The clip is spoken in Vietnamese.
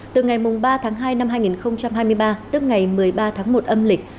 từ ngày ba tháng hai năm hai nghìn hai mươi ba tức ngày một mươi ba tháng một âm lịch